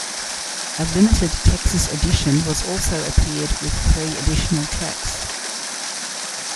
A limited "Texas Edition" was also appeared with three additional tracks.